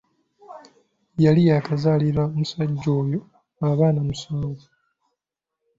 Yali yaakazaalira musajja oyo abaana musanvu.